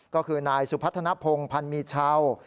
ก็คือนายสุพัฒนภงพันธ์มีเช่า